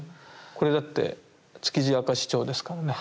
これだって「築地明石町」ですからね。